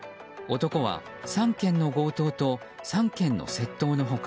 男は３件の強盗と３件の窃盗の他